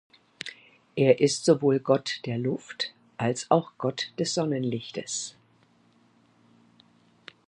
Er ist sowohl Gott der Luft als auch Gott des Sonnenlichtes.